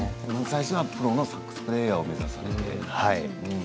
最初はプロのサックスプレーヤーを目指して。